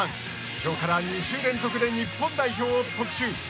きょうから２週連続で日本代表を特集。